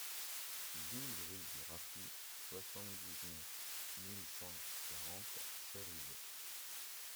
douze rue du Raffou, soixante-dix-neuf mille cent quarante Cerizay